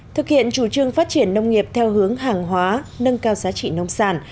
thực hiện chủ trương phát triển nông nghiệp theo hướng hàng hóa nâng cao giá trị nông sản